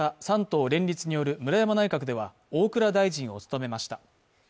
３党連立による村山内閣では大蔵大臣を務めました。